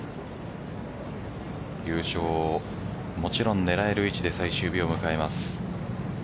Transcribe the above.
優勝をもちろん狙える位置で最終日を迎えます。